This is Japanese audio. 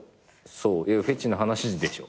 そういやフェチな話でしょ。